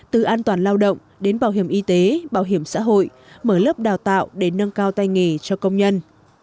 từ an toàn lao động đến bảo hiểm y tế bảo hiểm xã hội mở lớp đào tạo để nâng cao tay nghề cho công nhân